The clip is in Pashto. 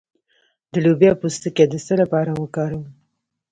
د لوبیا پوستکی د څه لپاره وکاروم؟